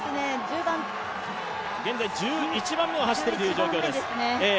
現在、１１番目を走っている状況です。